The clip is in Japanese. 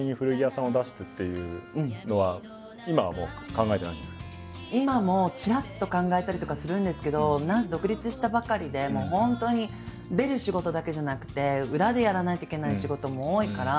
最初に考えてた今もちらっと考えたりとかはするんですけど何せ独立したばかりでもう本当に出る仕事だけじゃなくて裏でやらないといけない仕事も多いから。